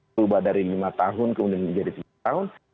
berubah dari lima tahun kemudian menjadi sepuluh tahun